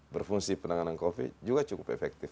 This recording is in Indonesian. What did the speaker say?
berfungsi penanganan covid juga cukup efektif